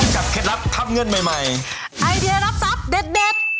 เคล็ดลับทำเงินใหม่ใหม่ไอเดียรับทรัพย์เด็ดเด็ด